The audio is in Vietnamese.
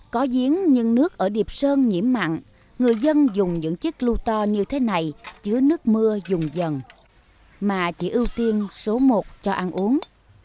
có giếng nhưng nước ở điệp sơn nhiễm mặn người dân dùng những chiếc lưu to như thế này chứa nước mưa dùng dần mà chỉ ưu tiên số một cho ăn uống